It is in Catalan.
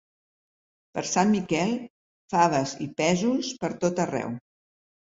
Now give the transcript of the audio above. Per Sant Miquel, faves i pèsols pertot arreu.